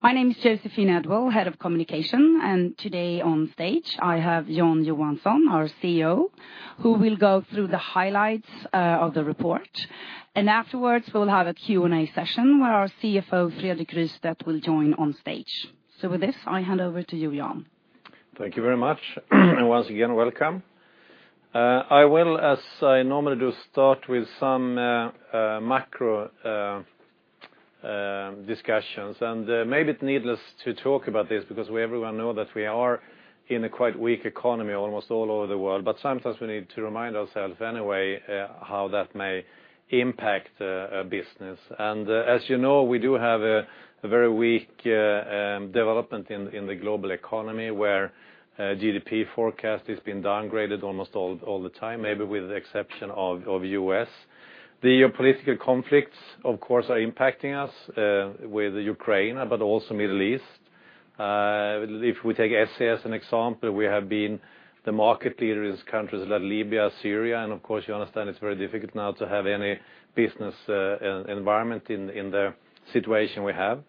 My name is Joséphine Edwall-Björklund, Head of Communication. Today on stage I have Jan Johansson, our CEO, who will go through the highlights of the report. Afterwards we'll have a Q&A session where our CFO, Fredrik Rystedt, will join on stage. With this, I hand over to you, Jan. Thank you very much and once again, welcome. I will, as I normally do, start with some macro discussions. Maybe it's needless to talk about this because everyone know that we are in a quite weak economy almost all over the world, but sometimes we need to remind ourselves anyway how that may impact business. As you know, we do have a very weak development in the global economy, where GDP forecast has been downgraded almost all the time, maybe with the exception of U.S. The political conflicts, of course, are impacting us with Ukraine, but also Middle East. If we take SCA as an example, we have been the market leader in countries like Libya, Syria, and of course, you understand it's very difficult now to have any business environment in the situation we have.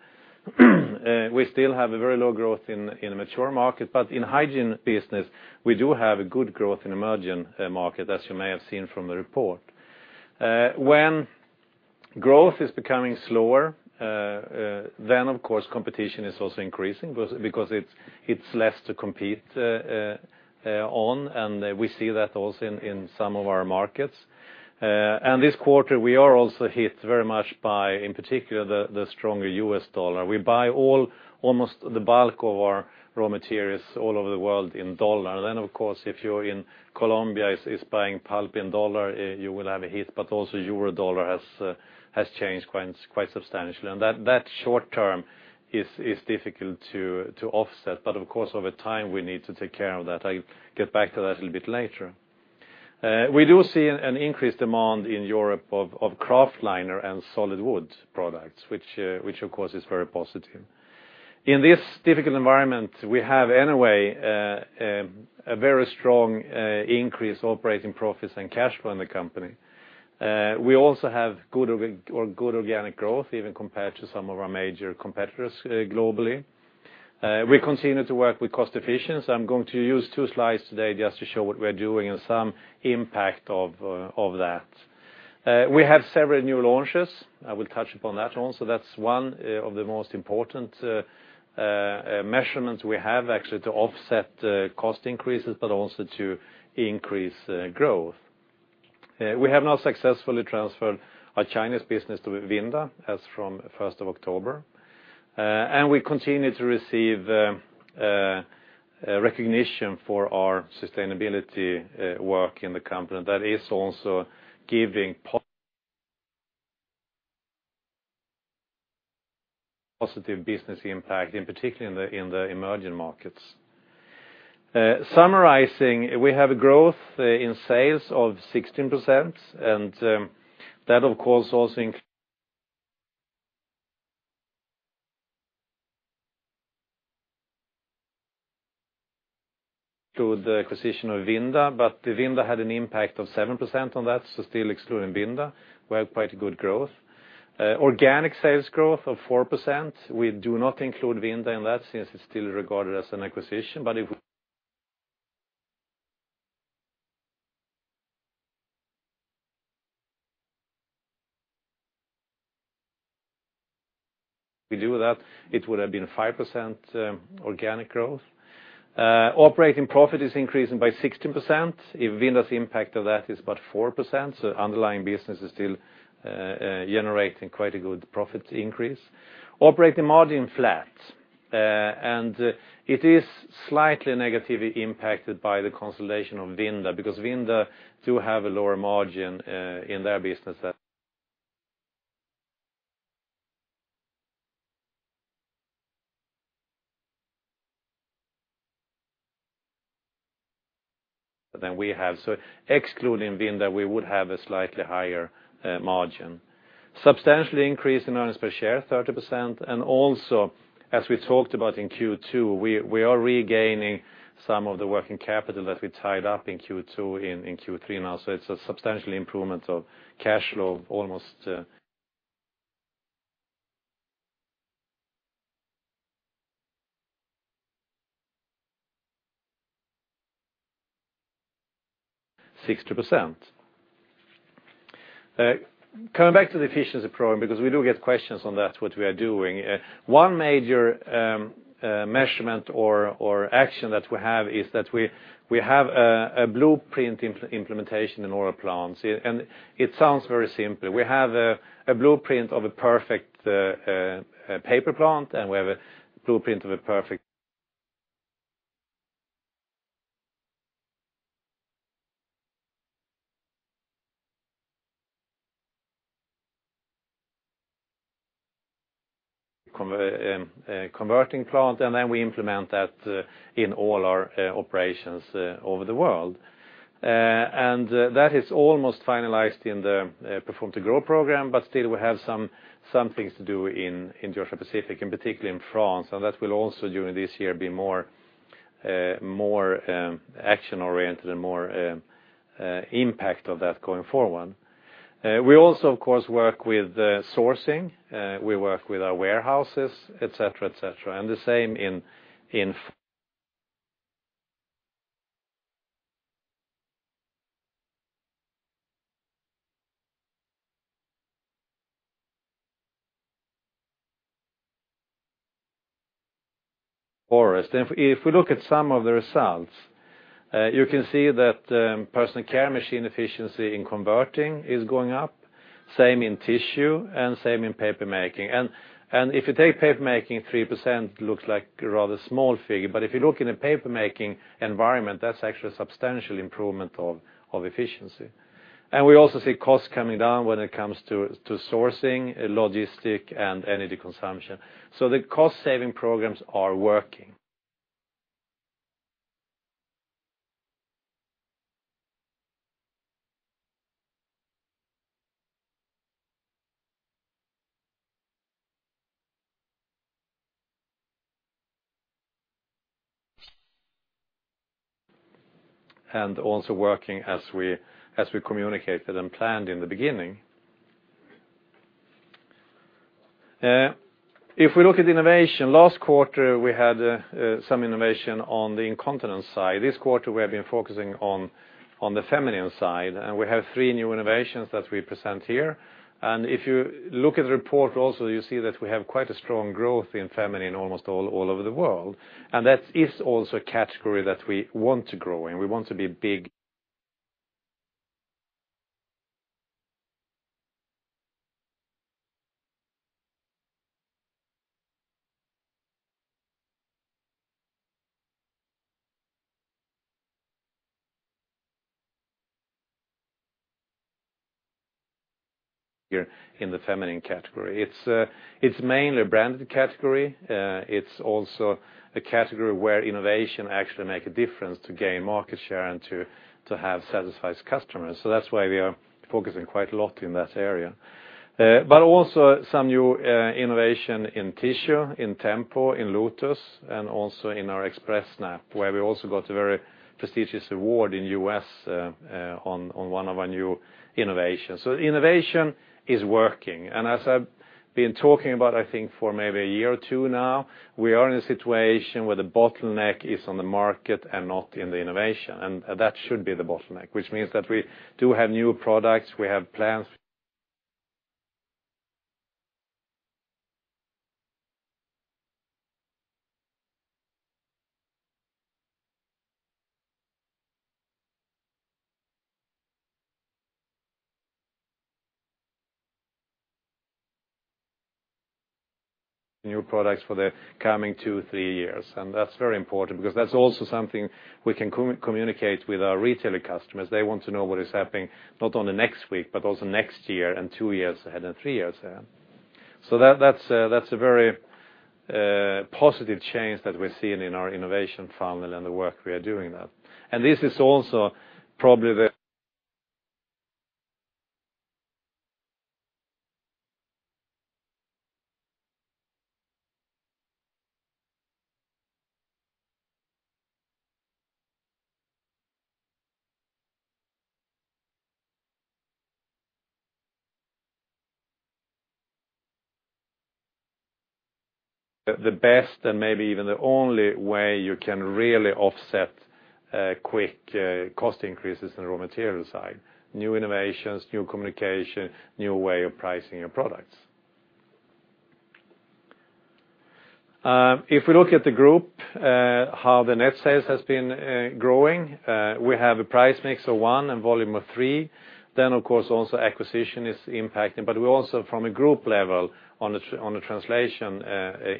We still have a very low growth in the mature market, but in hygiene business, we do have a good growth in emerging market, as you may have seen from the report. When growth is becoming slower, then of course competition is also increasing because it's less to compete on, and we see that also in some of our markets. This quarter, we are also hit very much by, in particular, the stronger U.S. dollar. We buy all, almost the bulk of our raw materials all over the world in USD. Then, of course, if you're in Colombia is buying pulp in USD, you will have a hit. But also EUR-USD has changed quite substantially. That short-term is difficult to offset. Of course, over time, we need to take care of that. I'll get back to that a little bit later. We do see an increased demand in Europe of kraftliner and solid wood products, which of course is very positive. In this difficult environment, we have anyway, a very strong increase operating profits and cash flow in the company. We also have good organic growth, even compared to some of our major competitors globally. We continue to work with cost efficiency. I'm going to use two slides today just to show what we're doing and some impact of that. We have several new launches. I will touch upon that also. That's one of the most important measurements we have actually to offset cost increases, but also to increase growth. We have now successfully transferred our Chinese business to Vinda, as from 1st of October. We continue to receive recognition for our sustainability work in the company, that is also giving positive business impact, in particular in the emerging markets. Summarizing, we have a growth in sales of 16%, that of course also include the acquisition of Vinda, but Vinda had an impact of 7% on that. Still excluding Vinda, we have quite a good growth. Organic sales growth of 4%. We do not include Vinda in that since it's still regarded as an acquisition. If we do that, it would have been 5% organic growth. Operating profit is increasing by 16% if Vinda's impact of that is about 4%, underlying business is still generating quite a good profit increase. Operating margin flat, it is slightly negatively impacted by the consolidation of Vinda, because Vinda do have a lower margin in their business than we have. Excluding Vinda, we would have a slightly higher margin. Substantially increase in earnings per share, 30%. Also, as we talked about in Q2, we are regaining some of the working capital that we tied up in Q2, in Q3 now. It's a substantial improvement of cash flow, almost 60%. Coming back to the efficiency program, because we do get questions on that, what we are doing. One major measurement or action that we have is that we have a blueprint implementation in all our plants. It sounds very simple. We have a blueprint of a perfect paper plant, and we have a blueprint of a perfect converting plant, then we implement that in all our operations over the world. That is almost finalized in the Perform to Grow program, but still we have some things to do in Georgia-Pacific, and particularly in France. That will also during this year be more action oriented and more impact of that going forward. We also, of course, work with sourcing. We work with our warehouses, et cetera. The same in forest. If we look at some of the results, you can see that Personal Care machine efficiency in converting is going up, same in Tissue, same in Papermaking. If you take Papermaking, 3% looks like a rather small figure, but if you look in a Papermaking environment, that's actually a substantial improvement of efficiency. We also see costs coming down when it comes to sourcing, logistic, and energy consumption. The cost-saving programs are working and also working as we communicated and planned in the beginning. If we look at innovation, last quarter, we had some innovation on the incontinence side. This quarter, we have been focusing on the feminine side, we have three new innovations that we present here. If you look at the report also, you see that we have quite a strong growth in feminine almost all over the world. That is also a category that we want to grow in. We want to be big here in the feminine category. It's mainly a branded category. It's also a category where innovation actually makes a difference to gain market share and to have satisfied customers. That's why we are focusing quite a lot in that area. Also some new innovation in Tissue, in Tempo, in Lotus, and also in our Xpressnap, where we also got a very prestigious award in the U.S. on one of our new innovations. Innovation is working. As I have been talking about, I think for maybe a year or two now, we are in a situation where the bottleneck is on the market and not in the innovation, and that should be the bottleneck, which means that we do have new products, we have plans, new products for the coming two, three years. That is very important because that is also something we can communicate with our retailer customers. They want to know what is happening, not only next week, but also next year and two years ahead and three years ahead. That is a very positive change that we are seeing in our innovation funnel and the work we are doing now. This is also probably the best and maybe even the only way you can really offset quick cost increases in the raw material side, new innovations, new communication, new way of pricing your products. If we look at the group, how the net sales has been growing, we have a price mix of 1% and volume of 3%. Of course, also acquisition is impacting. We also from a group level on the translation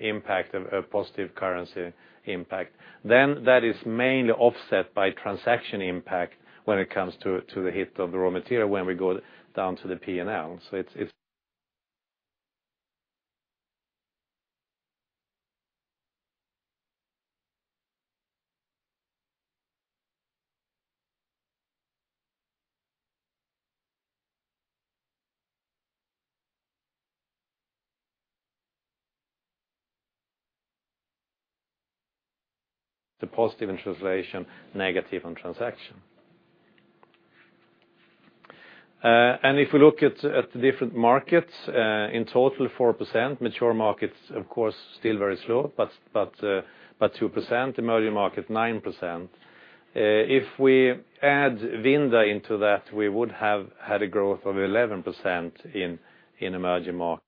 impact, a positive currency impact. That is mainly offset by transaction impact when it comes to the hit of the raw material when we go down to the P&L. It is positive in translation, negative on transaction. If we look at the different markets, in total, 4%. Mature markets, of course, still very slow, but 2%, emerging market, 9%. If we add Vinda into that, we would have had a growth of 11% in emerging markets.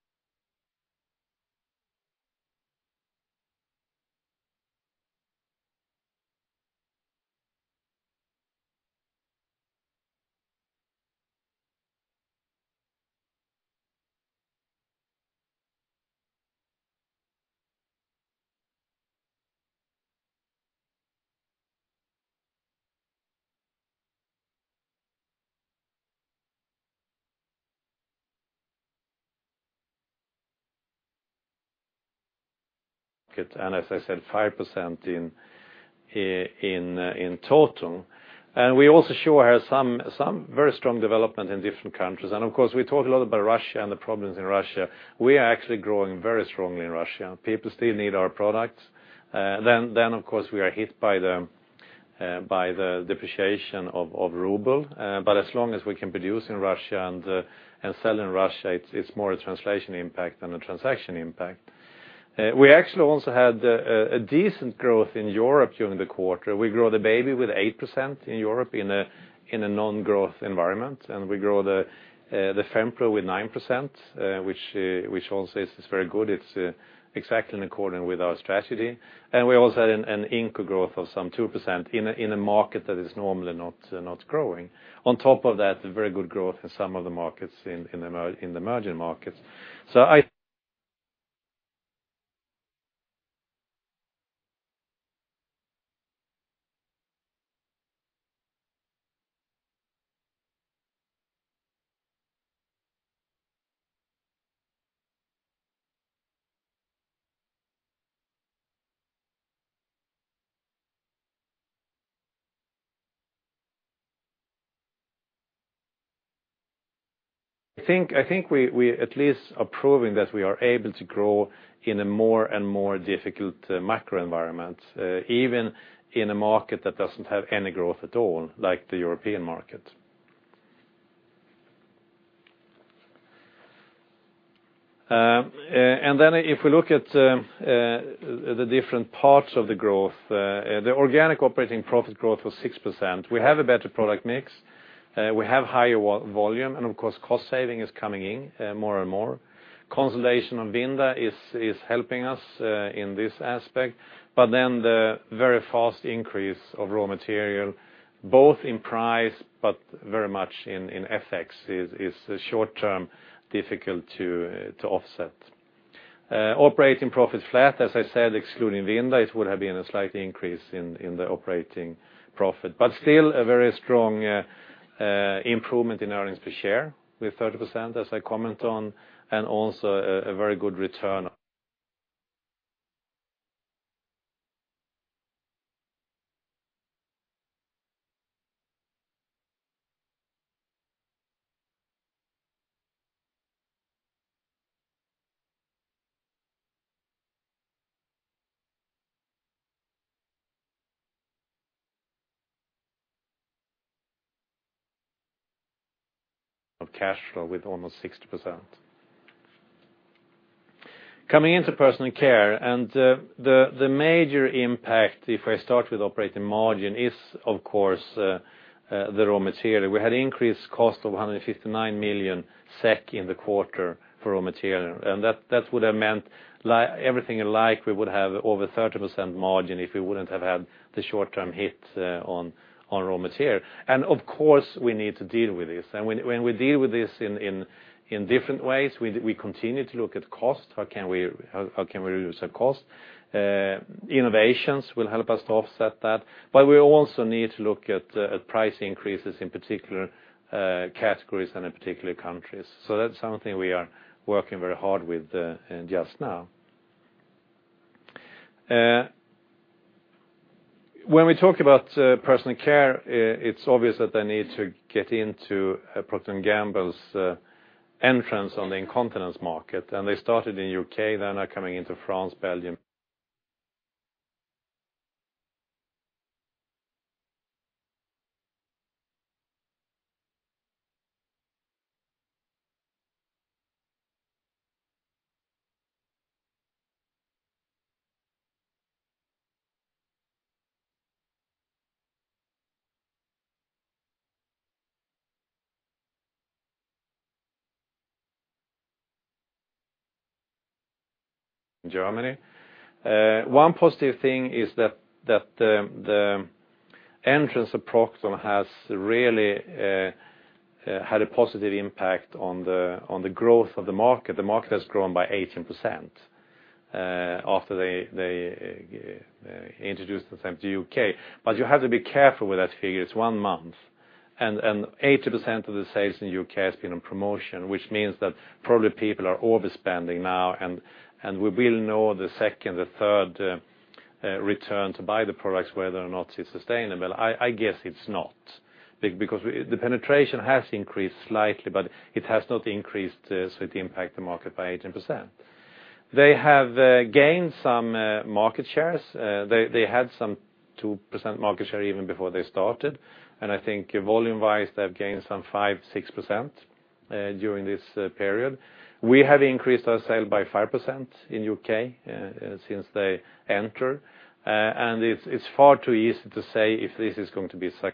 As I said, 5% in total. We also show here some very strong development in different countries. Of course, we talk a lot about Russia and the problems in Russia. We are actually growing very strongly in Russia. People still need our products. Of course, we are hit by the depreciation of ruble. As long as we can produce in Russia and sell in Russia, it is more a translation impact than a transaction impact. We actually also had a decent growth in Europe during the quarter. We grew the baby with 8% in Europe in a non-growth environment, and we grew the Fempro with 9%, which also is very good. It is exactly in accordance with our strategy. We also had an Inco growth of some 2% in a market that is normally not growing. On top of that, a very good growth in some of the markets in the emerging markets. I think we at least are proving that we are able to grow in a more and more difficult macro environment, even in a market that does not have any growth at all, like the European market. If we look at the different parts of the growth, the organic operating profit growth was 6%. We have a better product mix. We have higher volume, and of course, cost saving is coming in more and more. Consolidation on Vinda is helping us in this aspect. The very fast increase of raw material, both in price but very much in FX, is short-term difficult to offset. Operating profit flat, as I said, excluding Vinda, it would have been a slight increase in the operating profit. Still a very strong improvement in earnings per share with 30%, as I comment on, and also a very good return of cash flow with almost 60%. Coming into Personal Care, the major impact, if I start with operating margin, is, of course, the raw material. We had increased cost of 159 million SEK in the quarter for raw material, and that would have meant everything alike, we would have over 30% margin if we wouldn't have had the short-term hit on raw material. Of course, we need to deal with this. When we deal with this in different ways, we continue to look at cost. How can we reduce our cost? Innovations will help us to offset that. We also need to look at price increases in particular categories and in particular countries. That's something we are working very hard with just now. When we talk about Personal Care, it's obvious that I need to get into Procter & Gamble's entrance on the incontinence market. They started in U.K., they are now coming into France, Belgium, Germany. One positive thing is that the entrance of Procter has really had a positive impact on the growth of the market. The market has grown by 18% after they introduced themselves to U.K. You have to be careful with that figure. It's one month, and 80% of the sales in U.K. has been on promotion, which means that probably people are overspending now, and we will know the second, the third return to buy the products, whether or not it's sustainable. I guess it's not, because the penetration has increased slightly, but it has not increased to impact the market by 18%. They have gained some market shares. They had some 2% market share even before they started. I think volume-wise, they've gained some 5%, 6% during this period. We have increased our sale by 5% in U.K. since they entered, and it's far too easy to say if this is going to be a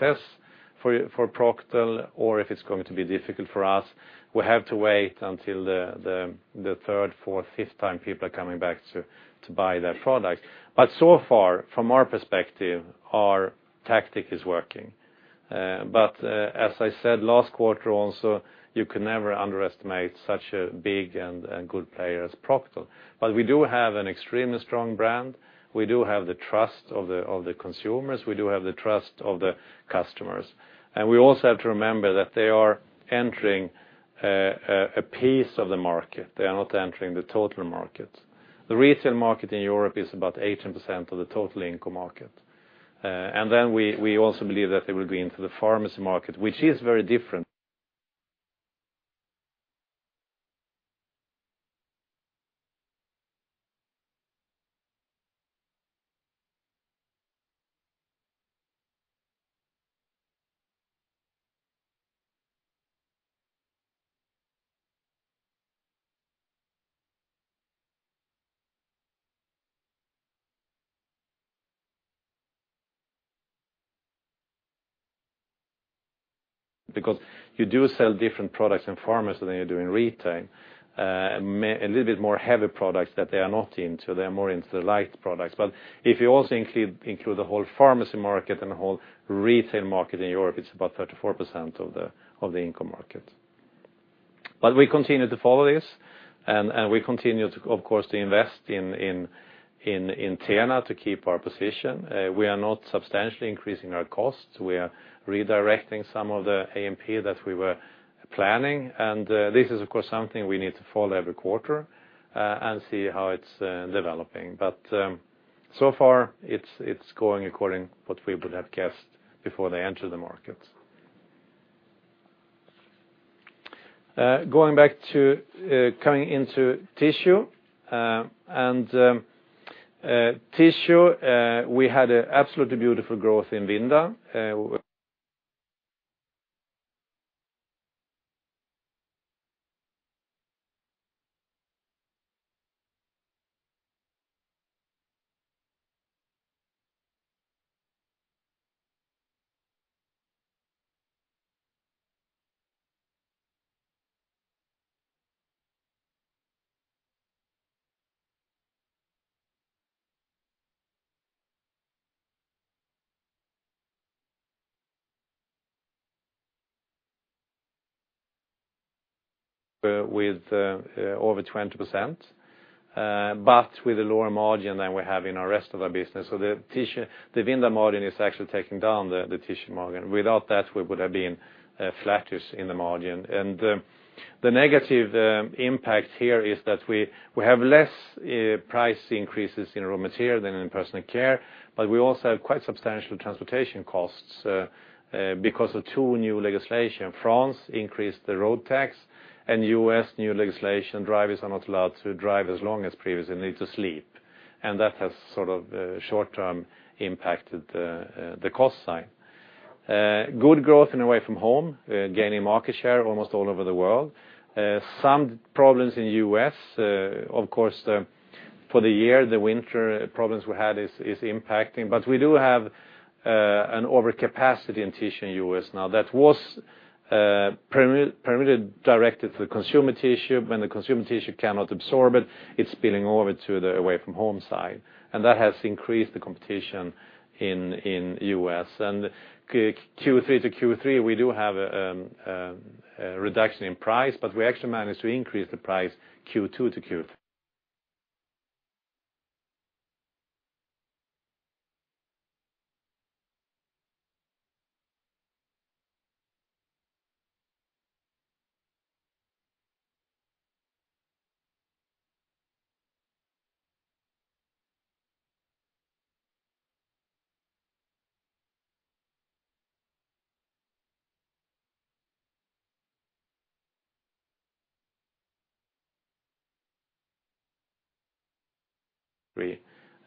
success for Procter or if it's going to be difficult for us. We have to wait until the third, fourth, fifth time people are coming back to buy their product. So far, from our perspective, our tactic is working. As I said last quarter also, you can never underestimate such a big and good player as Procter. We do have an extremely strong brand. We do have the trust of the consumers. We do have the trust of the customers. We also have to remember that they are entering a piece of the market. They are not entering the total market. The retail market in Europe is about 18% of the total incontinence market. Then we also believe that they will be into the pharmacy market, which is very different because you do sell different products in pharmacy than you do in retail, a little bit more heavy products that they are not into. They are more into the light products. If you also include the whole pharmacy market and the whole retail market in Europe, it's about 34% of the incontinence market. We continue to follow this, and we continue to, of course, to invest in TENA to keep our position. We are not substantially increasing our costs. We are redirecting some of the A&P that we were planning. This is, of course, something we need to follow every quarter and see how it's developing. So far it's going according what we would have guessed before they enter the market. Going into Tissue we had absolutely beautiful growth in Vinda with over 20%, but with a lower margin than we have in our rest of our business. The Vinda margin is actually taking down the Tissue margin. Without that, we would have been flattish in the margin. The negative impact here is that we have less price increases in raw material than in Personal Care, but we also have quite substantial transportation costs because of two new legislation. France increased the road tax and U.S. new legislation, drivers are not allowed to drive as long as previous, they need to sleep, and that has sort of short term impacted the cost side. Good growth in away from home, gaining market share almost all over the world. Some problems in U.S., of course, for the year, the winter problems we had is impacting. We do have an overcapacity in Tissue in U.S. now that was primarily directed to the consumer tissue. When the consumer tissue cannot absorb it's spilling over to the away from home side, that has increased the competition in U.S. Q3 to Q3, we do have a reduction in price, but we actually managed to increase the price Q2 to Q3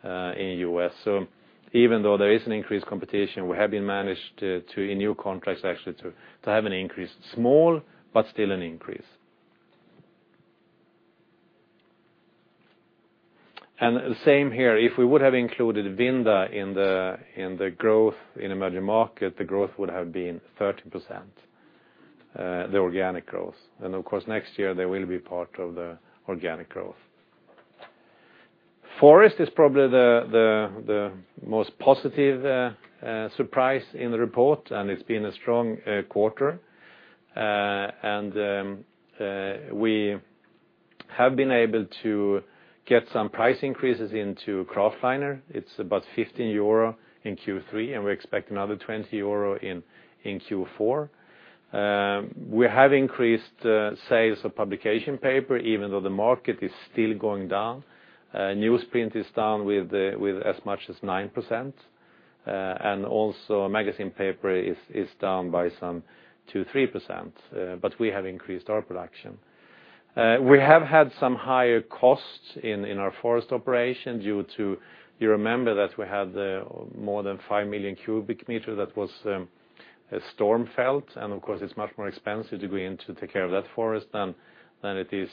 in U.S. Even though there is an increased competition, we have been managed to, in new contracts, actually to have an increase, small, but still an increase. Same here. If we would have included Vinda in the growth in emerging market, the growth would have been 30%, the organic growth. Of course, next year, they will be part of the organic growth. Forest is probably the most positive surprise in the report, it's been a strong quarter. We have been able to get some price increases into kraftliner. It's about 15 euro in Q3, and we expect another 20 euro in Q4. We have increased sales of publication paper, even though the market is still going down. Newsprint is down with as much as 9%, and also magazine paper is down by some 2%, 3%, but we have increased our production. We have had some higher costs in our forest operations due to, you remember that we had more than five million cubic meter that was storm fell. Of course, it's much more expensive to go in to take care of that forest than it is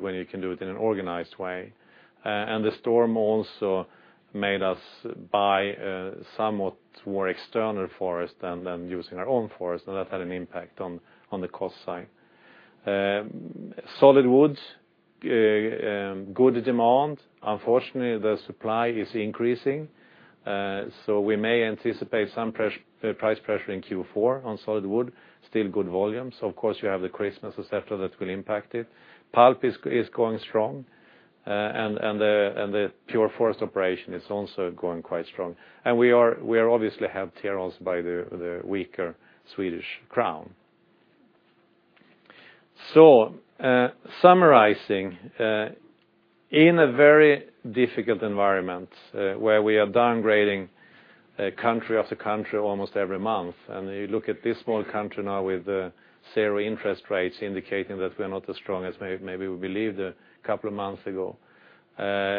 when you can do it in an organized way. The storm also made us buy somewhat more external forest than using our own forest, and that had an impact on the cost side. Solid woods, good demand. Unfortunately, the supply is increasing, we may anticipate some price pressure in Q4 on solid wood. Still good volumes. Of course, you have the Christmas et cetera that will impact it. Pulp is going strong, the pure forest operation is also going quite strong. We are obviously helped here also by the weaker Swedish crown. Summarizing, in a very difficult environment where we are downgrading country after country almost every month, you look at this small country now with zero interest rates indicating that we are not as strong as maybe we believed a couple of months ago,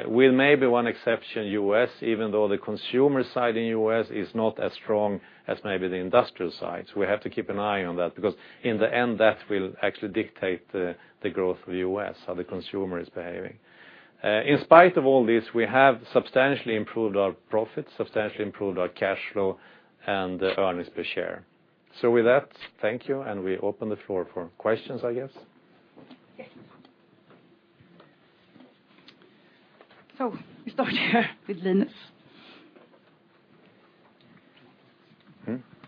with one exception, U.S., even though the consumer side in U.S. is not as strong as maybe the industrial side. We have to keep an eye on that because in the end, that will actually dictate the growth of the U.S., how the consumer is behaving. In spite of all this, we have substantially improved our profit, substantially improved our cash flow and earnings per share. With that, thank you, and we open the floor for questions, I guess. Yes. We start here with Linus.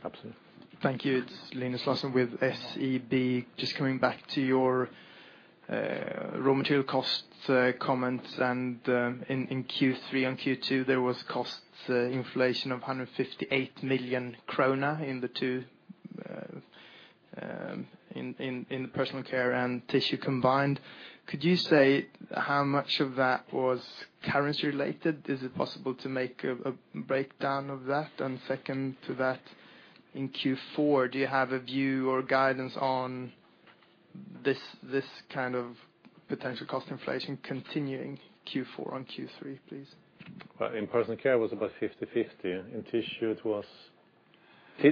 Absolutely. Thank you. It is Linus Larsson with SEB. Just coming back to your raw material cost comments, in Q3 and Q2, there was cost inflation of 158 million kronor in the Personal Care and Tissue combined. Could you say how much of that was currency related? Is it possible to make a breakdown of that? Second to that, in Q4, do you have a view or guidance on this kind of potential cost inflation continuing Q4 on Q3, please? Well, in Personal Care, it was about 50-50. In tissue,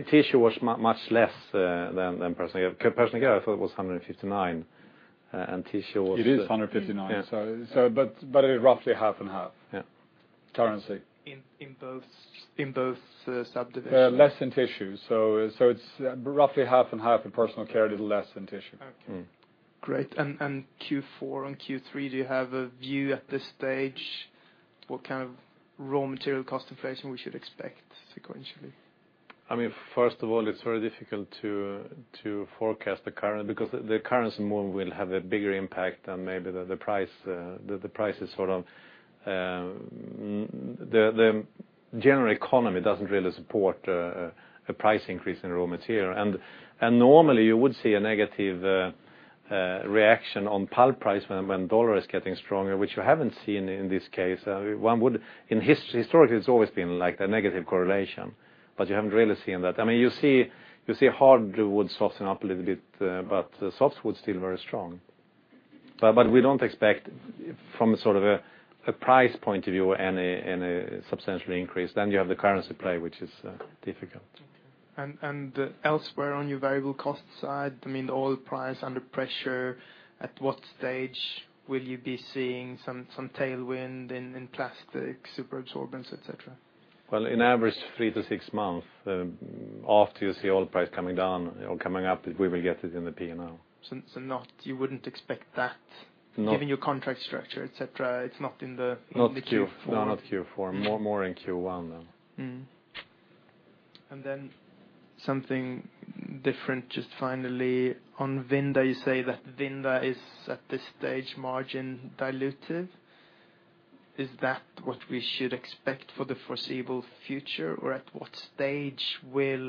Tissue was much less than Personal Care. Personal Care, I thought it was 159. It is 159. Yeah. It is roughly half and half. Yeah. Currency. In both subdivisions? Less in Tissue. It's roughly half and half in Personal Care, a little less in Tissue. Okay. Great. Q4 on Q3, do you have a view at this stage what kind of raw material cost inflation we should expect sequentially? First of all, it's very difficult to forecast the currency, because the currency more will have a bigger impact than maybe the price. The general economy doesn't really support a price increase in raw material. Normally, you would see a negative reaction on pulp price when the U.S. dollar is getting stronger, which you haven't seen in this case. Historically, it's always been like the negative correlation, you haven't really seen that. You see hardwood soften up a little bit, softwood's still very strong. We don't expect from a price point of view any substantial increase. You have the currency play, which is difficult. Okay. Elsewhere on your variable cost side, the oil price under pressure, at what stage will you be seeing some tailwind in plastic superabsorbents, et cetera? Well, on average, three to six months after you see oil price coming down or coming up, we will get it in the P&L. You wouldn't expect that? No given your contract structure, et cetera, it's not in the Q4? No, not Q4. More in Q1 now. Something different, just finally, on Vinda, you say that Vinda is at this stage margin diluted. Is that what we should expect for the foreseeable future? Or at what stage will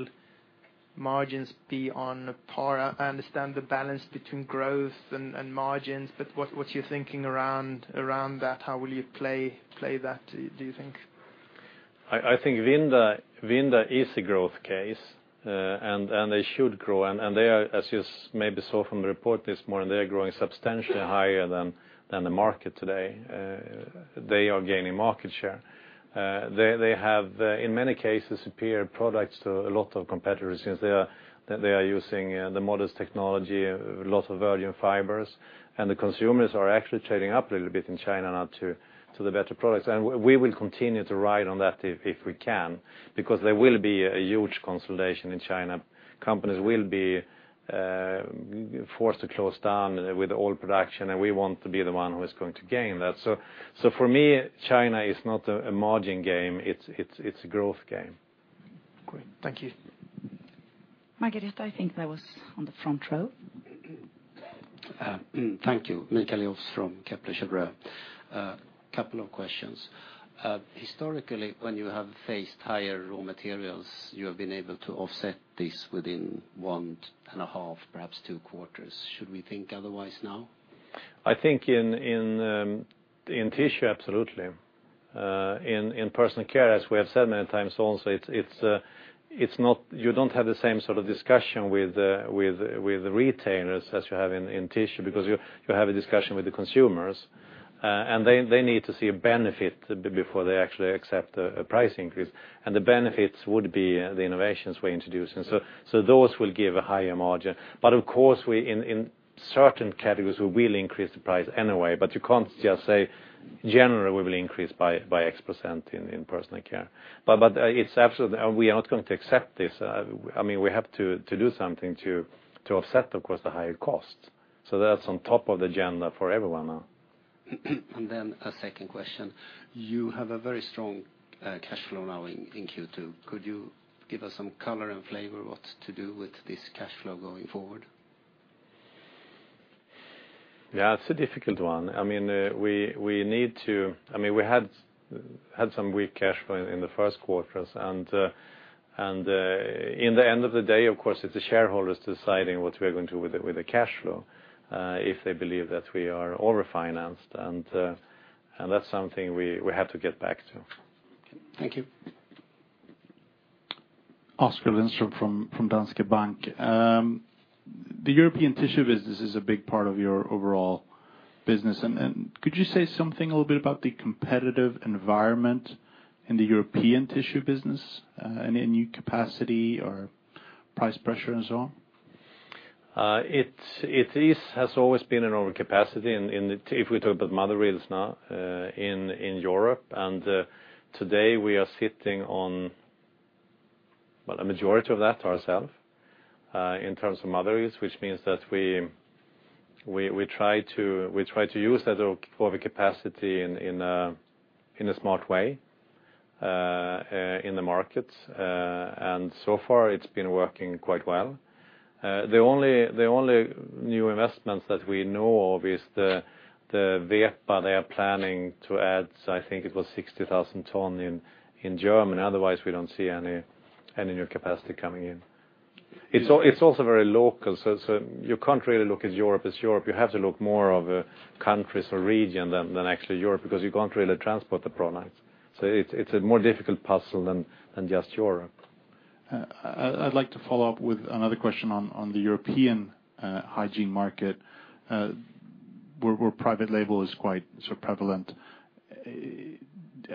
margins be on par? I understand the balance between growth and margins, but what's your thinking around that? How will you play that, do you think? I think Vinda is a growth case, they should grow. They are, as you maybe saw from the report this morning, they are growing substantially higher than the market today. They are gaining market share. They have, in many cases, superior products to a lot of competitors since they are using the modest technology, lot of virgin fibers, the consumers are actually trading up a little bit in China now to the better products. We will continue to ride on that if we can, because there will be a huge consolidation in China. Companies will be forced to close down with oil production, we want to be the one who is going to gain that. For me, China is not a margin game, it's a growth game. Great. Thank you. Margareta, I think that was on the front row. Thank you. Mikael Alfs from Kepler Cheuvreux. Couple of questions. Historically, when you have faced higher raw materials, you have been able to offset this within one and a half, perhaps two quarters. Should we think otherwise now? I think in Tissue, absolutely. In Personal Care, as we have said many times also, you don't have the same sort of discussion with the retailers as you have in Tissue because you have a discussion with the consumers, and they need to see a benefit before they actually accept a price increase. The benefits would be the innovations we introduce, those will give a higher margin. Of course, in certain categories, we will increase the price anyway, but you can't just say generally we will increase by X% in Personal Care. We are not going to accept this. We have to do something to offset, of course, the higher cost. That's on top of the agenda for everyone now. A second question. You have a very strong cash flow now in Q2. Could you give us some color and flavor what to do with this cash flow going forward? Yeah, it's a difficult one. We had some weak cash flow in the first quarters and in the end of the day, of course, it's the shareholders deciding what we are going to do with the cash flow, if they believe that we are over-financed and that's something we have to get back to. Thank you. Oskar Lindström from Danske Bank. The European tissue business is a big part of your overall business and could you say something a little bit about the competitive environment in the European tissue business, any new capacity or price pressure and so on? It has always been an overcapacity if we talk about mother reels now in Europe. Today we are sitting on a majority of that ourself, in terms of mother reels, which means that we try to use that overcapacity in a smart way in the markets. So far it's been working quite well. The only new investments that we know of is the WEPA, they are planning to add, I think it was 60,000 tons in Germany. Otherwise, we don't see any new capacity coming in. It's also very local, so you can't really look at Europe as Europe. You have to look more of a countries or region than actually Europe, because you can't really transport the products. It's a more difficult puzzle than just Europe. I'd like to follow up with another question on the European hygiene market, where private label is quite prevalent.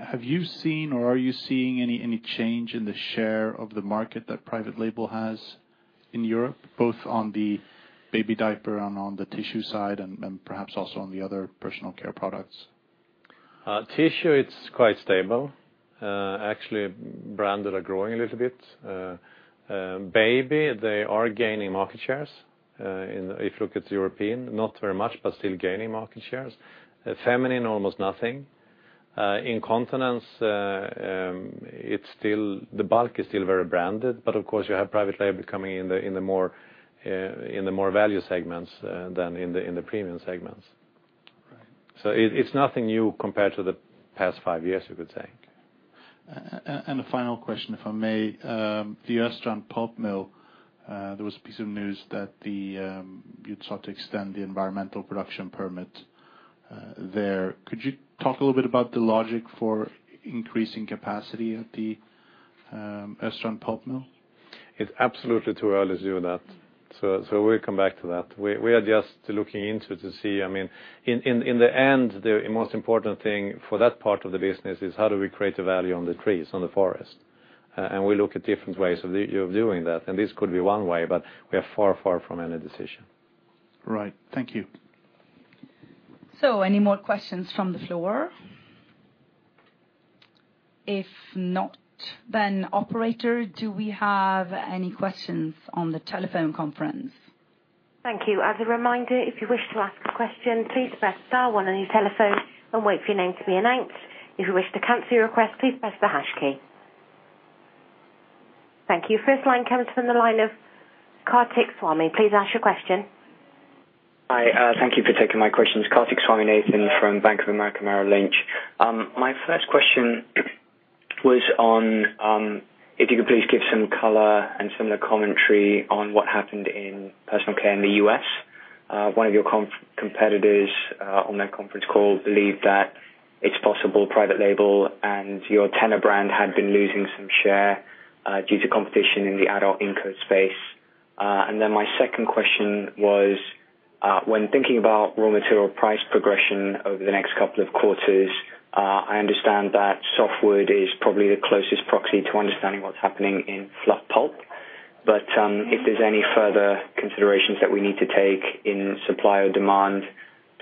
Have you seen or are you seeing any change in the share of the market that private label has in Europe, both on the baby diaper and on the Tissue side, and perhaps also on the other Personal Care products? Tissue, it's quite stable. Actually, brands that are growing a little bit. Baby, they are gaining market shares, if you look at European, not very much, but still gaining market shares. Feminine, almost nothing. Incontinence, the bulk is still very branded, but of course you have private label coming in the more value segments than in the premium segments. Right. It's nothing new compared to the past five years, you could say. Final question, if I may. The Östrand pulp mill, there was a piece of news that you'd sought to extend the environmental production permit there. Could you talk a little bit about the logic for increasing capacity at the Östrand pulp mill? It's absolutely too early to do that. We'll come back to that. We are just looking into to see, in the end, the most important thing for that part of the business is how do we create a value on the trees, on the forest? We look at different ways of doing that, and this could be one way, we are far from any decision. Right. Thank you. Any more questions from the floor? If not, operator, do we have any questions on the telephone conference? Thank you. As a reminder, if you wish to ask a question, please press star one on your telephone and wait for your name to be announced. If you wish to cancel your request, please press the hash key. Thank you. First line comes from the line of Karthik Swaminathan. Please ask your question. Hi. Thank you for taking my questions. Karthik Swaminathan from Bank of America, Merrill Lynch. My first question was on if you could please give some color and similar commentary on what happened in Personal Care in the U.S. One of your competitors on that conference call believed that it's possible private label and your TENA brand had been losing some share, due to competition in the adult incontinence space. My second question was, when thinking about raw material price progression over the next couple of quarters, I understand that soft wood is probably the closest proxy to understanding what's happening in fluff pulp, but if there's any further considerations that we need to take in supply or demand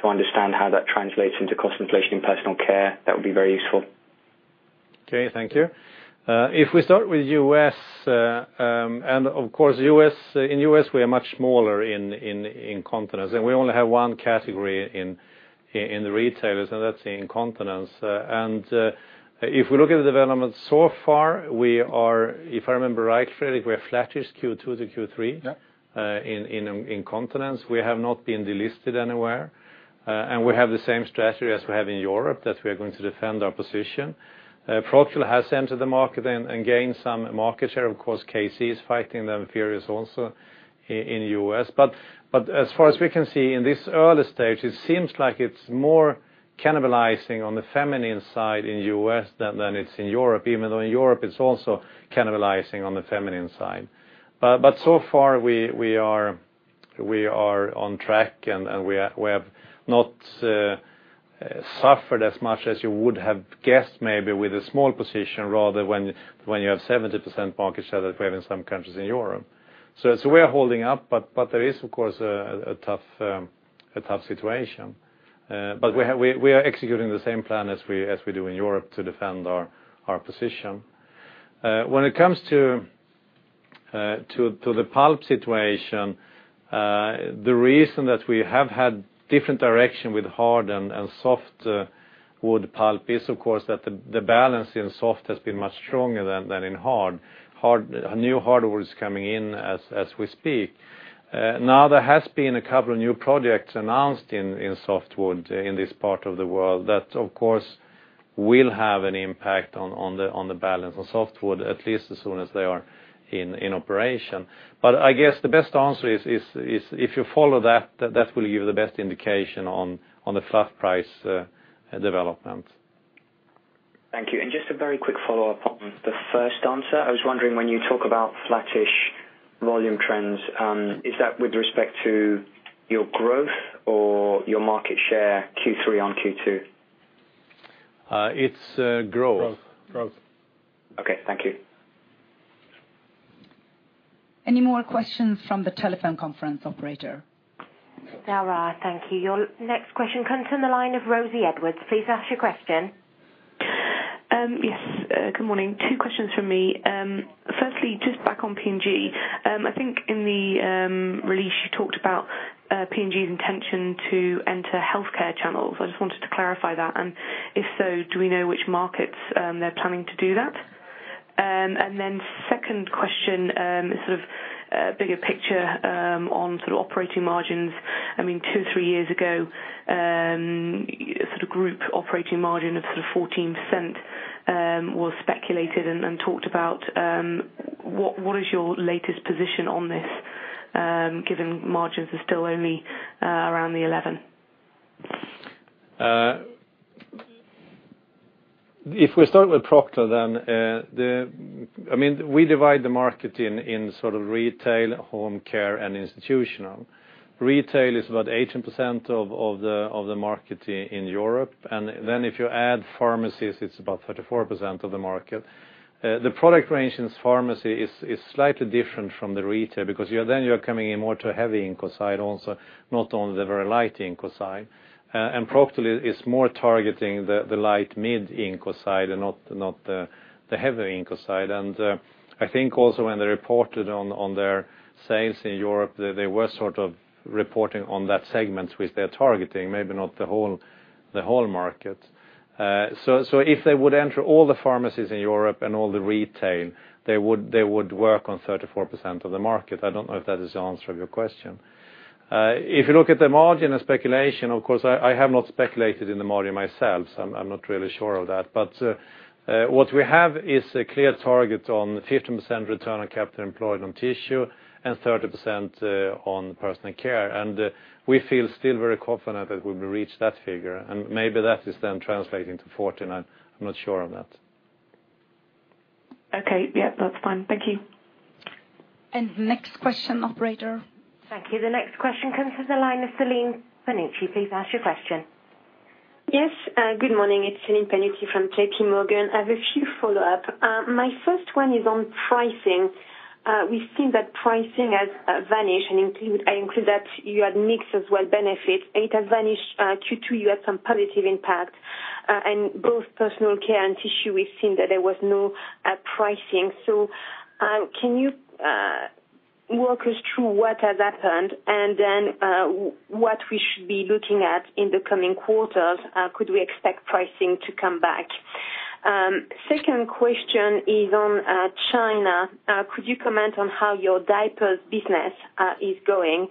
to understand how that translates into cost inflation in Personal Care, that would be very useful. Okay. Thank you. If we start with U.S., and of course in U.S. we are much smaller in incontinence and we only have one category in the retailers, and that's the incontinence. And if we look at the development so far we are, if I remember right, Fredrik, we are flattish Q2 to Q3. Yep in incontinence. We have not been delisted anywhere. And we have the same strategy as we have in Europe, that we are going to defend our position. Procter has entered the market and gained some market share. Of course, KC is fighting them, Furious also in U.S. As far as we can see in this early stage, it seems like it's more cannibalizing on the feminine side in U.S. than it's in Europe, even though in Europe it's also cannibalizing on the feminine side. So far we are on track and we have not suffered as much as you would have guessed, maybe with a small position rather when you have 70% market share that we have in some countries in Europe. So we are holding up, there is of course a tough situation. We are executing the same plan as we do in Europe to defend our position. When it comes to the pulp situation, the reason that we have had different direction with hardwood and softwood pulp is, of course, that the balance in soft has been much stronger than in hard. New hardwood is coming in as we speak. There has been a couple of new projects announced in softwood in this part of the world that, of course, will have an impact on the balance on softwood, at least as soon as they are in operation. I guess the best answer is if you follow that will give the best indication on the fluff price development. Thank you. Just a very quick follow-up on the first answer. I was wondering, when you talk about flattish volume trends, is that with respect to your growth or your market share Q3 on Q2? It's growth. Growth. Okay, thank you. Any more questions from the telephone conference operator? There are. Thank you. Your next question comes from the line of Rosie Edwards. Please ask your question. Yes, good morning. Two questions from me. Firstly, just back on P&G. I think in the release you talked about P&G's intention to enter healthcare channels. I just wanted to clarify that, if so, do we know which markets they're planning to do that? Second question, is sort of a bigger picture on sort of operating margins. Two, three years ago, sort of group operating margin of 14% was speculated and talked about. What is your latest position on this, given margins are still only around the 11%? If we start with Procter, we divide the market in sort of retail, home care, and institutional. Retail is about 18% of the market in Europe, if you add pharmacies, it's about 34% of the market. The product range in pharmacy is slightly different from the retail, because you're coming in more to heavy incontinence also, not only the very light incontinence. Procter is more targeting the light mid incontinence and not the heavy incontinence. I think also when they reported on their sales in Europe, they were sort of reporting on that segment which they are targeting, maybe not the whole market. If they would enter all the pharmacies in Europe and all the retail, they would work on 34% of the market. I don't know if that is the answer to your question. If you look at the margin and speculation, of course, I have not speculated in the margin myself, so I'm not really sure of that. What we have is a clear target on 15% return on capital employed on Tissue and 30% on Personal Care. We feel still very confident that we will reach that figure, and maybe that is then translating to 14. I'm not sure on that. Okay. Yeah, that's fine. Thank you. Next question, operator. Thank you. The next question comes from the line of Celine Panici. Please ask your question. Yes, good morning. It's Celine Panici from JPMorgan. I have a few follow-up. My first one is on pricing. We've seen that pricing has vanished, I include that you had mix as well, benefit. It has vanished. Q2, you had some positive impact, and both Personal Care and Tissue, we've seen that there was no pricing. Can you walk us through what has happened and then what we should be looking at in the coming quarters? Could we expect pricing to come back? Second question is on China. Could you comment on how your diapers business is going?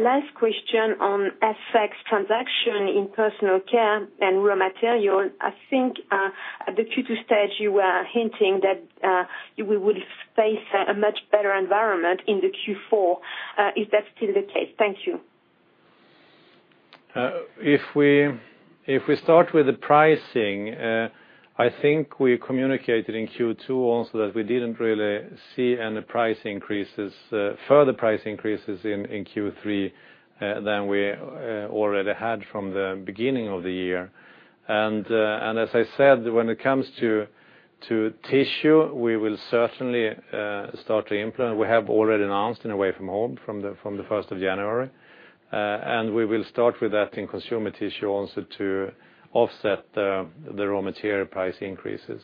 Last question on FX transaction in Personal Care and raw material. I think at the Q2 stage you were hinting that we would face a much better environment in the Q4. Is that still the case? Thank you. If we start with the pricing, I think we communicated in Q2 also that we didn't really see any price increases, further price increases in Q3 than we already had from the beginning of the year. As I said, when it comes to Tissue, we will certainly start to implement. We have already announced in Away from Home from the 1st of January. We will start with that in consumer tissue also to offset the raw material price increases.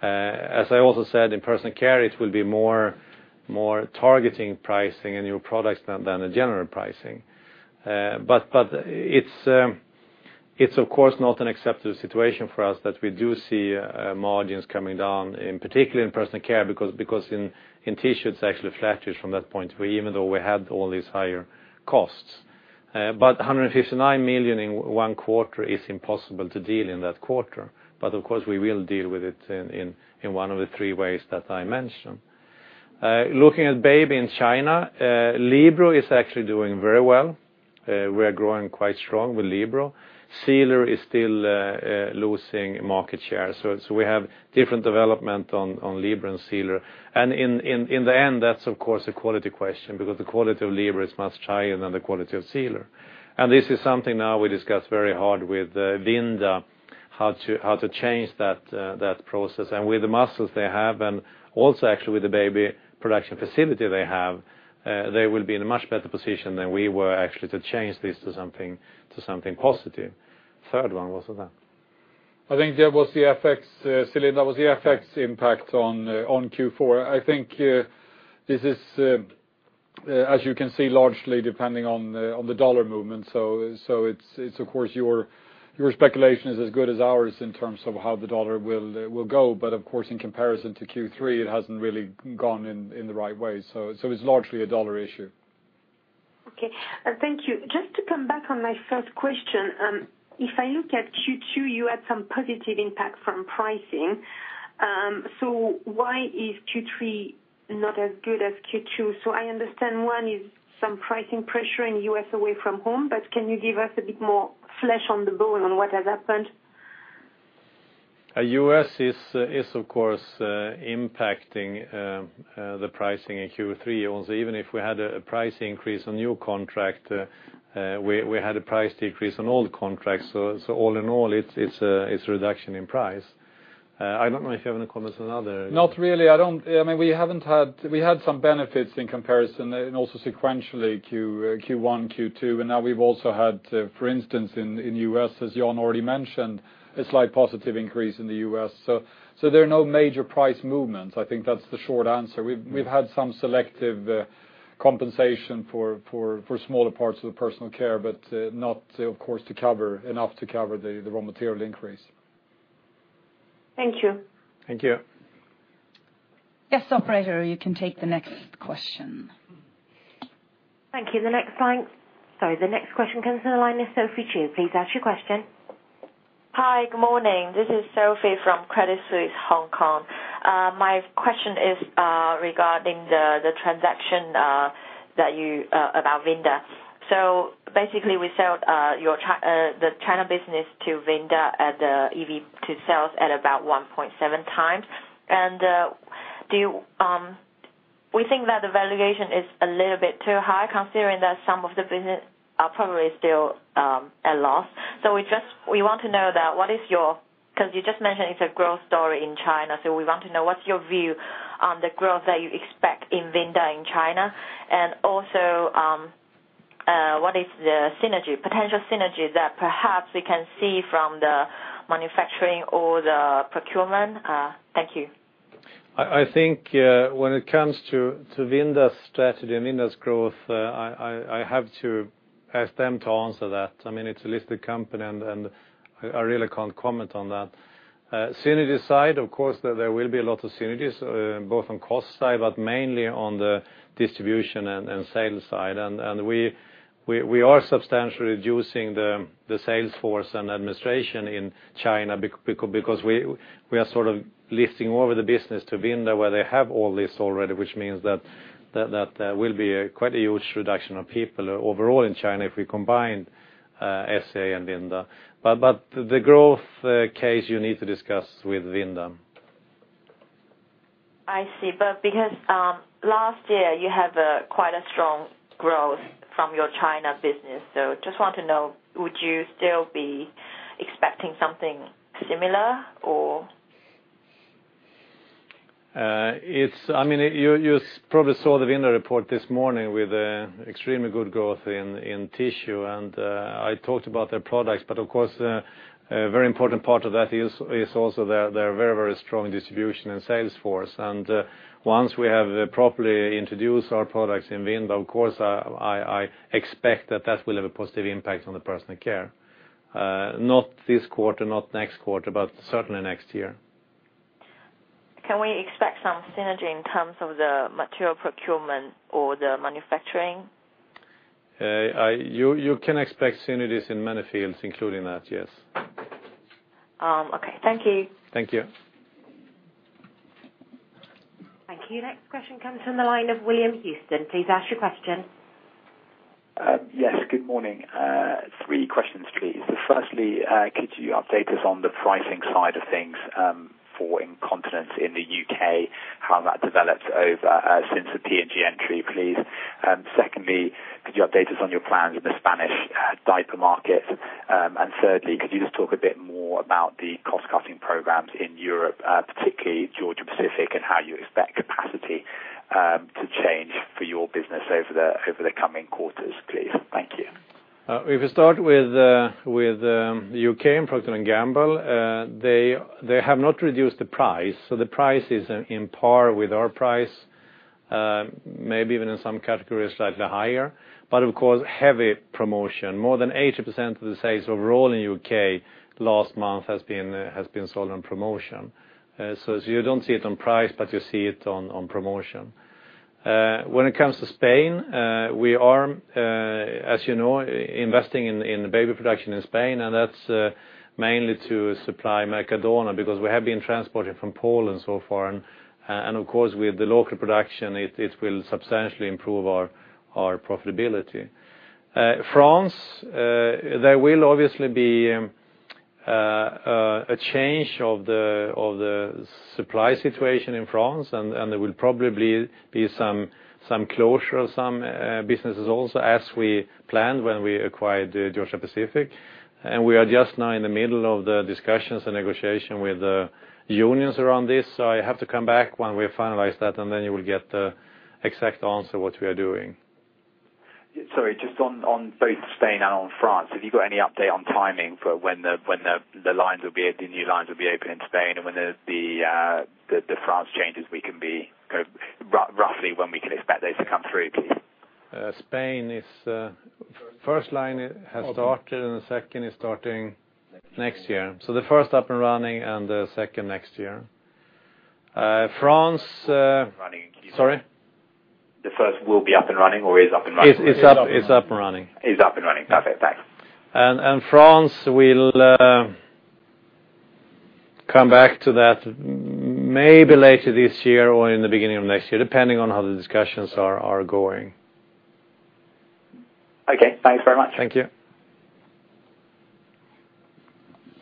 As I also said, in Personal Care, it will be more targeting pricing and new products than the general pricing. It's of course not an accepted situation for us that we do see margins coming down, particularly in Personal Care, because in Tissue it's actually flattish from that point, even though we had all these higher costs. 159 million in one quarter is impossible to deal in that quarter. Of course, we will deal with it in one of the three ways that I mentioned. Looking at baby in China, Libero is actually doing very well. We are growing quite strong with Libero. Sealer is still losing market share. We have different development on Libero and Sealer. In the end, that's of course a quality question, because the quality of Libero is much higher than the quality of Sealer. This is something now we discuss very hard with Vinda, how to change that process. With the muscles they have and also actually with the baby production facility they have, they will be in a much better position than we were actually to change this to something positive. Third one, what was that? I think that was the FX impact on Q4. I think this is, as you can see, largely depending on the dollar movement. It's, of course, your speculation is as good as ours in terms of how the dollar will go, but of course, in comparison to Q3, it hasn't really gone in the right way. It's largely $1 issue. Thank you. Just to come back on my first question. If I look at Q2, you had some positive impact from pricing. Why is Q3 not as good as Q2? I understand one is some pricing pressure in U.S. away from home, but can you give us a bit more flesh on the bone on what has happened? U.S. is of course impacting the pricing in Q3. Even if we had a price increase on new contract, we had a price decrease on old contracts. All in all, it's a reduction in price. I don't know if you have any comments on that, Fredrik. Not really. We had some benefits in comparison and sequentially Q1, Q2, and now we've also had, for instance, in U.S., as Jan already mentioned, a slight positive increase in the U.S. There are no major price movements. I think that's the short answer. We've had some selective compensation for smaller parts of the Personal Care, but not, of course, enough to cover the raw material increase. Thank you. Thank you. Yes, operator, you can take the next question. Thank you. Sorry. The next question comes to the line of Sophie Cheung. Please ask your question. Hi. Good morning. This is Sophie from Credit Suisse Hong Kong. My question is regarding the transaction about Vinda. Basically, we sell the China business to Vinda at the EV to sales at about 1.7 times. We think that the valuation is a little bit too high considering that some of the business are probably still at a loss. Because you just mentioned it's a growth story in China, we want to know what's your view on the growth that you expect in Vinda in China, and also, what is the potential synergy that perhaps we can see from the manufacturing or the procurement? Thank you. I think when it comes to Vinda's strategy and Vinda's growth, I have to ask them to answer that. It's a listed company, and I really can't comment on that. Synergy side, of course, there will be a lot of synergies, both on cost side, but mainly on the distribution and sales side. We are substantially reducing the sales force and administration in China because we are sort of listing over the business to Vinda where they have all this already, which means that there will be quite a huge reduction of people overall in China if we combine SCA and Vinda. The growth case, you need to discuss with Vinda. I see. Because last year you have quite a strong growth from your China business. Just want to know, would you still be expecting something similar or? You probably saw the Vinda report this morning with extremely good growth in Tissue, and I talked about their products, but of course, a very important part of that is also their very, very strong distribution and sales force. Once we have properly introduced our products in Vinda, of course, I expect that that will have a positive impact on the Personal Care. Not this quarter, not next quarter, but certainly next year. Can we expect some synergy in terms of the material procurement or the manufacturing? You can expect synergies in many fields, including that, yes. Okay. Thank you. Thank you. Thank you. Next question comes from the line of William Houston. Please ask your question. Yes, good morning. Three questions, please. Firstly, could you update us on the pricing side of things for incontinence in the U.K., how that developed over since the P&G entry, please? Secondly, could you update us on your plans in the Spanish diaper market? Thirdly, could you just talk a bit more about the cost-cutting programs in Europe, particularly Georgia-Pacific, and how you expect capacity to change for your business over the coming quarters, please? Thank you. If you start with the U.K. and Procter & Gamble, they have not reduced the price. The price is on par with our price, maybe even in some categories slightly higher. Of course, heavy promotion. More than 80% of the sales overall in U.K. last month has been sold on promotion. You don't see it on price, but you see it on promotion. When it comes to Spain, we are, as you know, investing in baby production in Spain, and that's mainly to supply Mercadona because we have been transporting from Poland so far, and of course, with the local production, it will substantially improve our profitability. France, there will obviously be a change of the supply situation in France, and there will probably be some closure of some businesses also as we planned when we acquired Georgia-Pacific. We are just now in the middle of the discussions and negotiation with the unions around this. I have to come back when we have finalized that, and then you will get the exact answer what we are doing. Sorry, just on both Spain and on France, have you got any update on timing for when the new lines will be open in Spain and when the France changes, roughly when we can expect those to come through, please? Spain, the first line has started, and the second is starting next year. The first up and running and the second next year. France- Running. Sorry? The first will be up and running or is up and running? It's up and running. Is up and running. Perfect. Thanks. France, we'll come back to that maybe later this year or in the beginning of next year, depending on how the discussions are going. Okay. Thanks very much. Thank you.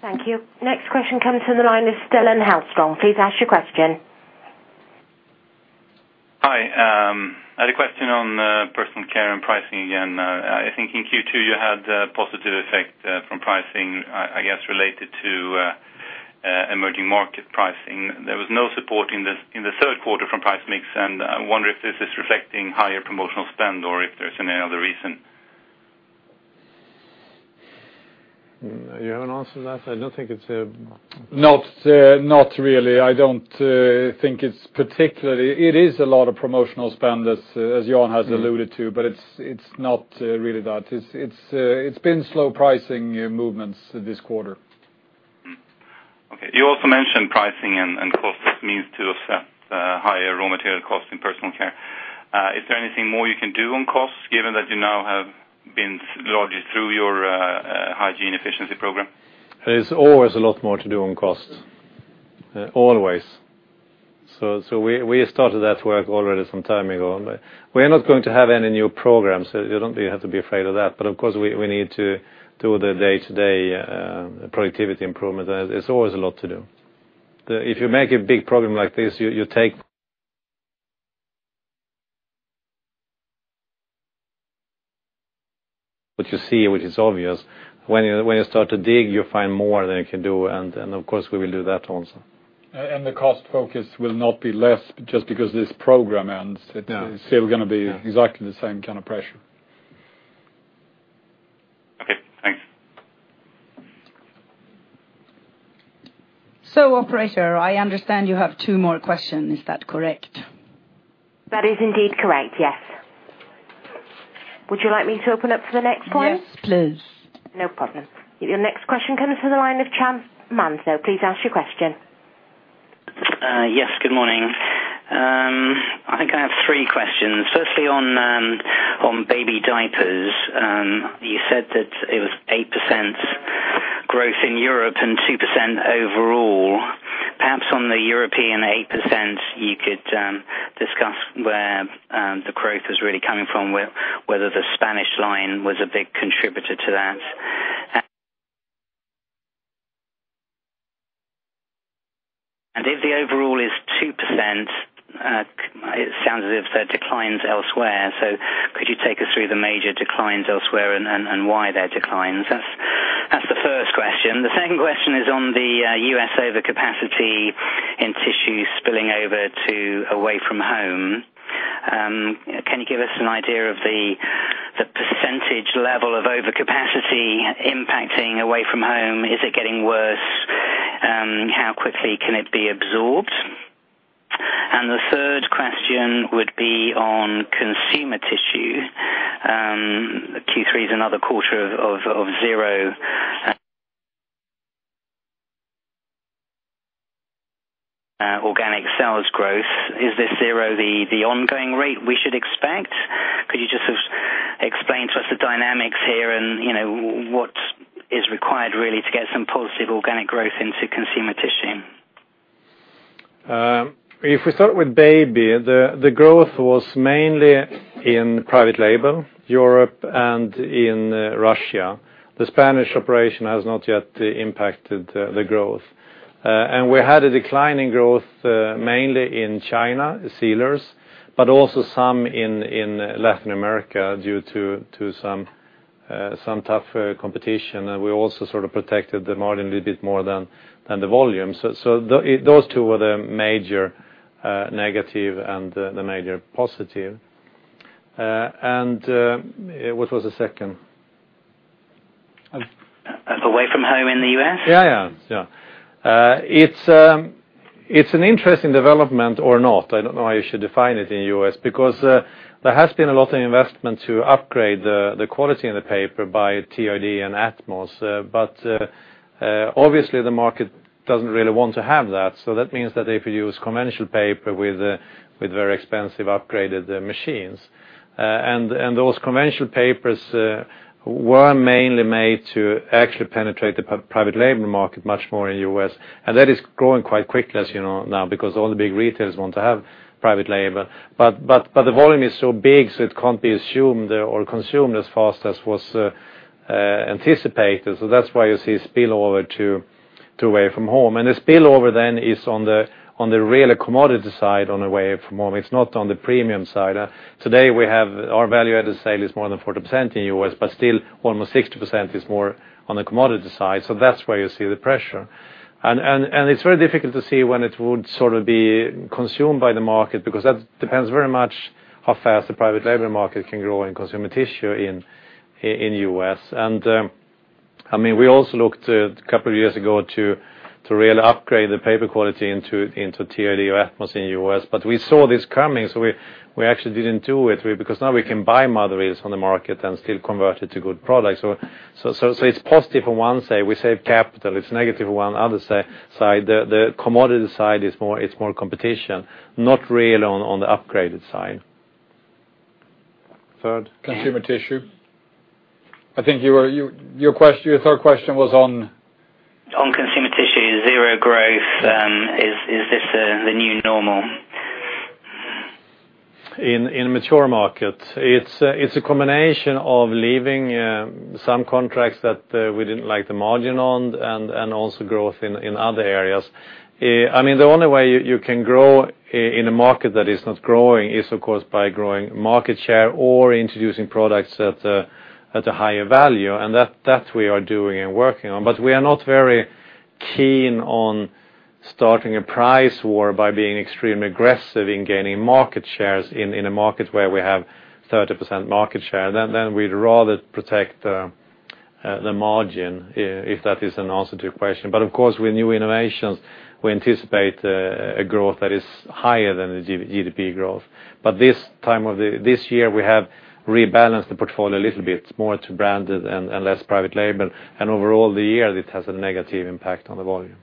Thank you. Next question comes from the line of Stellan Hellström. Please ask your question. Hi. I had a question on Personal Care and pricing again. I think in Q2 you had a positive effect from pricing, I guess, related to emerging market pricing. There was no support in the third quarter from price mix. I wonder if this is reflecting higher promotional spend or if there's any other reason. You have an answer to that? Not really. It is a lot of promotional spend, as Jan has alluded to. It's not really that. It's been slow pricing movements this quarter. Okay. You also mentioned pricing and costs needs to offset higher raw material costs in Personal Care. Is there anything more you can do on costs, given that you now have been largely through your hygiene efficiency program? There's always a lot more to do on costs. Always. We started that work already some time ago, but we are not going to have any new programs, you don't have to be afraid of that, but of course, we need to do the day-to-day productivity improvement. There's always a lot to do. If you make a big program like this, you take what you see, which is obvious. When you start to dig, you'll find more than you can do, of course, we will do that also. The cost focus will not be less just because this program ends. No. It's still going to be exactly the same kind of pressure. Okay, thanks. Operator, I understand you have two more questions. Is that correct? That is indeed correct, yes. Would you like me to open up for the next one? Yes, please. No problem. Your next question comes from the line of Cham Manzo. Please ask your question. Yes, good morning. I think I have three questions. Firstly, on baby diapers, you said that it was 8% growth in Europe and 2% overall. Perhaps on the European 8%, you could discuss where the growth is really coming from, whether the Spanish line was a big contributor to that. If the overall is 2%, it sounds as if there are declines elsewhere. Could you take us through the major declines elsewhere and why they're declines? That's the first question. The second question is on the U.S. overcapacity in tissue spilling over to away from home. Can you give us an idea of the percentage level of overcapacity impacting away from home? Is it getting worse? How quickly can it be absorbed? The third question would be on consumer tissue. Q3 is another quarter of zero organic sales growth. Is this zero the ongoing rate we should expect? Could you just explain to us the dynamics here and what is required really to get some positive organic growth into consumer tissue? If we start with baby, the growth was mainly in private label, Europe and in Russia. The Spanish operation has not yet impacted the growth. We had a decline in growth mainly in China, Sealers, but also some in Latin America due to some tough competition. We also sort of protected the margin a little bit more than the volume. Those two were the major negative and the major positive. What was the second? Away from home in the U.S. Yeah. It's an interesting development or not, I don't know how you should define it in the U.S., because there has been a lot of investment to upgrade the quality of the paper by TAD and ATMOS. Obviously, the market doesn't really want to have that. That means that they produce conventional paper with very expensive upgraded machines. Those conventional papers were mainly made to actually penetrate the private label market much more in the U.S., and that is growing quite quickly, as you know now, because all the big retailers want to have private label. The volume is so big, so it can't be consumed as fast as was anticipated. That's why you see a spillover to away from home. The spillover then is on the real commodity side on away from home. It's not on the premium side. Today, our value added sale is more than 40% in U.S., but still almost 60% is more on the commodity side. That's where you see the pressure. It's very difficult to see when it would sort of be consumed by the market, because that depends very much how fast the private label market can grow in consumer tissue in U.S. We also looked, a couple of years ago, to really upgrade the paper quality into TAD or ATMOS in the U.S., but we saw this coming, so we actually didn't do it, because now we can buy mother reels on the market and still convert it to good products. It's positive on one side, we save capital. It's negative on the other side. The commodity side, it's more competition, not really on the upgraded side. Third? Consumer tissue. I think your third question was on? On consumer tissue, zero growth. Is this the new normal? In mature markets, it's a combination of leaving some contracts that we didn't like the margin on, and also growth in other areas. The only way you can grow in a market that is not growing is, of course, by growing market share or introducing products at a higher value, and that we are doing and working on. We are not very keen on starting a price war by being extremely aggressive in gaining market shares in a market where we have 30% market share. We'd rather protect the margin, if that is an answer to your question. Of course, with new innovations, we anticipate a growth that is higher than the GDP growth. This year, we have rebalanced the portfolio a little bit more to branded and less private label, and overall, the year, it has a negative impact on the volume.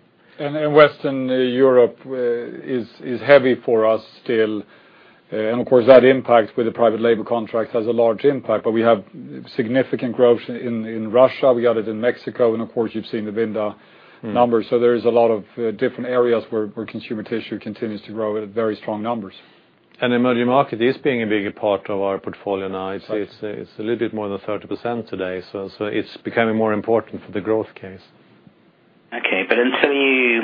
Western Europe is heavy for us still. Of course, that impacts, with the private label contracts, has a large impact, but we have significant growth in Russia. We have it in Mexico, of course, you've seen the Vinda numbers. There is a lot of different areas where consumer tissue continues to grow at very strong numbers. Emerging market is being a bigger part of our portfolio now. It's a little bit more than 30% today, it's becoming more important for the growth case. Okay. Until you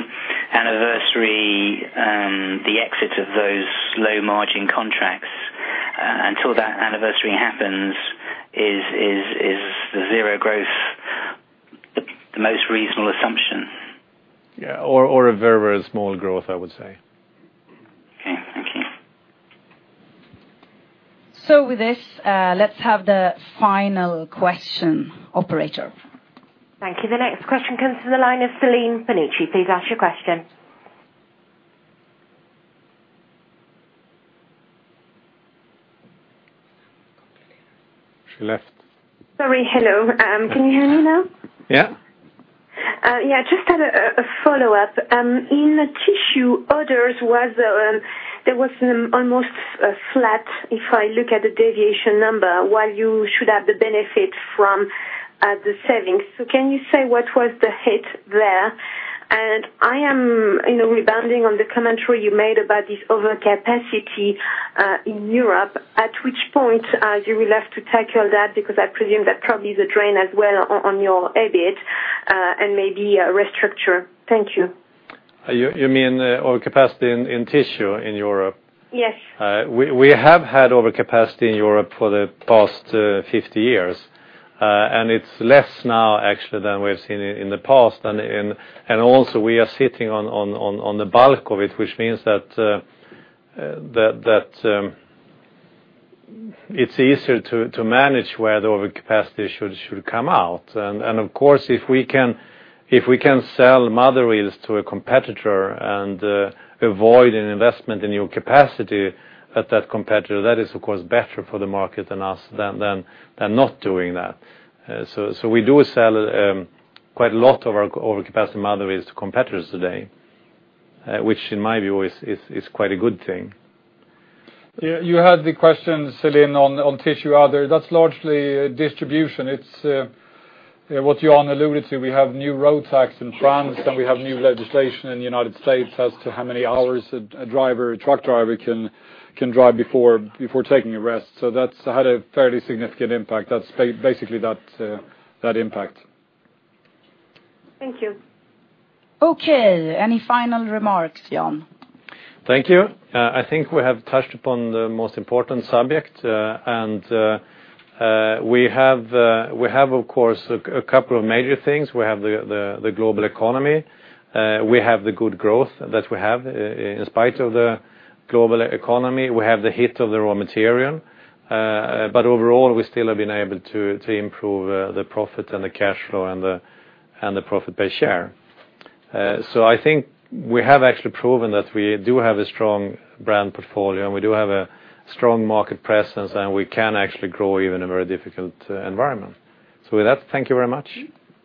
anniversary the exit of those low margin contracts, until that anniversary happens, is the zero growth the most reasonable assumption? Yeah. A very small growth, I would say. Okay. Thank you. With this, let's have the final question, operator. Thank you. The next question comes to the line of Celine Panici. Please ask your question. She left. Sorry. Hello, can you hear me now? Yeah. Yeah, just had a follow-up. In Tissue, others, there was an almost flat, if I look at the deviation number, while you should have the benefit from the savings. Can you say what was the hit there? I am rebounding on the commentary you made about this overcapacity in Europe, at which point you will have to tackle that, because I presume that probably is a drain as well on your EBIT and maybe a restructure. Thank you. You mean overcapacity in Tissue in Europe? Yes. We have had overcapacity in Europe for the past 50 years. It's less now, actually, than we've seen in the past, also, we are sitting on the bulk of it, which means that it's easier to manage where the overcapacity should come out. Of course, if we can sell mother reels to a competitor and avoid an investment in new capacity at that competitor, that is of course better for the market and us, than not doing that. We do sell quite a lot of our overcapacity mother reels to competitors today, which in my view is quite a good thing. You had the question, Celine, on Tissue other. That's largely distribution. It's what Jan alluded to. We have new road tax in France, we have new legislation in the U.S. as to how many hours a truck driver can drive before taking a rest. That's had a fairly significant impact. That's basically that impact. Thank you. Okay, any final remarks, Jan? Thank you. I think we have touched upon the most important subject. We have, of course, a couple of major things. We have the global economy. We have the good growth that we have in spite of the global economy. We have the hit of the raw material. Overall, we still have been able to improve the profit and the cash flow and the profit per share. I think we have actually proven that we do have a strong brand portfolio, and we do have a strong market presence, and we can actually grow even in a very difficult environment. With that, thank you very much.